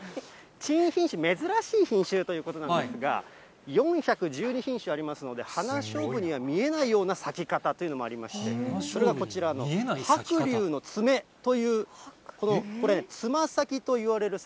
珍品種、珍しい品種ということなんですが、４１２品種ありますので、花しょうぶには見えないような咲き方というのもありまして、それがこちらの白竜の爪という、このこれ、つま咲きといわれる咲